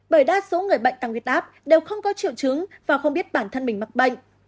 bởi đa số người bệnh tăng huyết áp đều không có triệu chứng và không biết bản thân mình mắc bệnh